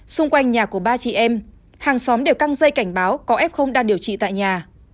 xung quanh nhà của ba chị em hàng xóm đều căng dây cảnh báo có f đang điều trị tại nhà